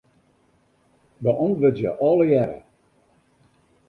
Beäntwurdzje allegearre.